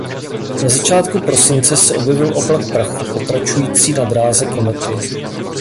Na začátku prosince se objevil oblak prachu pokračující na dráze komety..